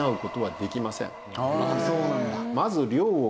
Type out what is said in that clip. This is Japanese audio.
そうなんだ。